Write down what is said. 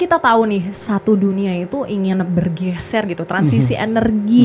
kita tahu nih satu dunia itu ingin bergeser gitu transisi energi